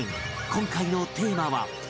今回のテーマは